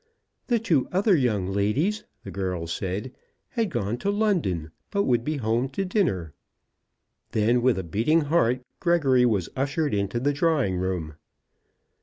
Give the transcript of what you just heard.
The two other young ladies, the girl said, had gone to London, but would be home to dinner. Then, with a beating heart, Gregory was ushered into the drawing room.